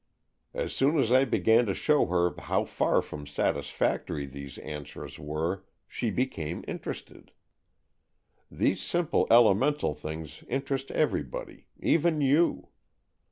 As soon as I began to show her how far from satisfactory these answers were she became interested. These simple elemental things interest everybody, even you.